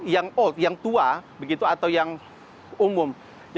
yang old yang tua begitu atau yang umum